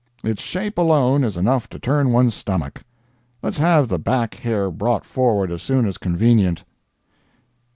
Its shape alone is enough to turn one's stomach. Let's have the back hair brought forward as soon as convenient.